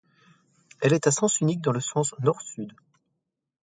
Elle est à sens unique dans le sens nord-sud.